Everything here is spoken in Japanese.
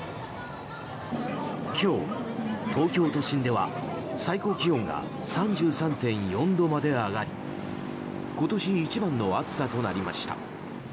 今日、東京都心では最高気温が３３．４度まで上がり今年一番の暑さとなりました。